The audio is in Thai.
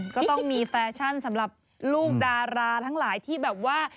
ก็ต้องมีแฟชั่นสำหรับลูกดาราทั้งหลายที่แบบว่า